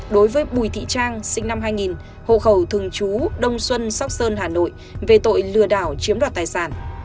đối với bùi thị trang sinh năm hai nghìn hộ khẩu thường chú đông xuân sóc sơn hà nội về tội lừa đảo chiếm đoạt tài sản